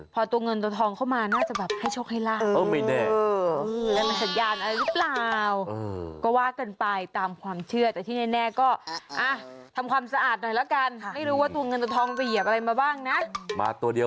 พอตัวเงินตัวทองเข้ามาน่าจะแบบให้ชกให้ราม